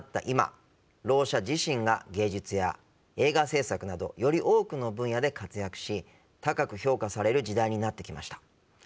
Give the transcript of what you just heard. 今ろう者自身が芸術や映画制作などより多くの分野で活躍し高く評価される時代になってきました。